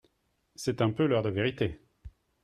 C’est un peu l’heure de vérité.